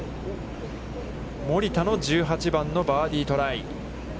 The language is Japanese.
森田の１８番のバーディートライ。